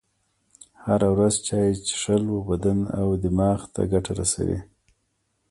هره ورځ چایی چیښل و بدن او دماغ ته ګټه رسوي.